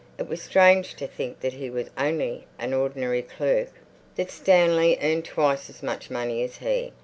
It was strange to think that he was only an ordinary clerk, that Stanley earned twice as much money as he.